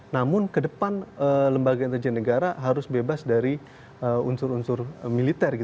namun ke depan lembaga intelijen negara harus bebas dari unsur unsur militer